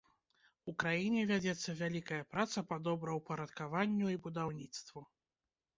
У краіне вядзецца вялікая праца па добраўпарадкаванню і будаўніцтву.